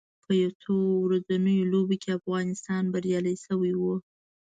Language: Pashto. په یو ورځنیو لوبو کې افغانستان بریالی شوی و